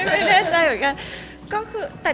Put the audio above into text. ไม่แน่ใจเหมือนกัน